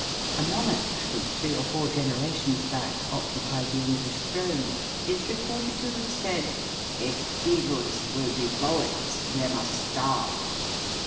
A monarch, who, three or four generations back, occupied the English throne, is reported to have said, "If beebles will be boets, they must sdarve."